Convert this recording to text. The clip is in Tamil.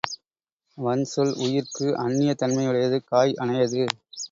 வன்சொல் உயிர்க்கு அந்நியத் தன்மையுடையது காய் அணையது.